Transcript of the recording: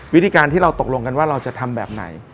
วิธีการที่เราตกลงกันว่าเราจะทำแบบไหน